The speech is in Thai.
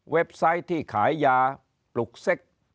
เว็บไซต์ที่ขายยาปลุกเซ็กต์